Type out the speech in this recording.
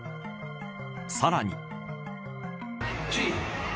さらに。